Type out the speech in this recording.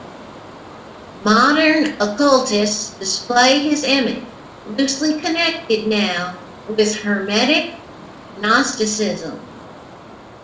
Modern occultists display his image, loosely connected now with Hermetic gnosticism.